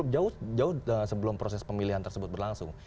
jauh jauh sebelum proses pemilihan tersebut berlangsung